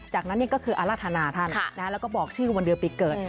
จากนั้นก็คืออาราธนาท่านแล้วก็บอกชื่อวันเดือนปีเกิด